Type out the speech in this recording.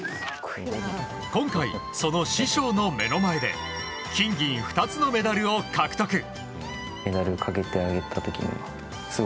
今回、その師匠の目の前で金銀２つのメダルを獲得。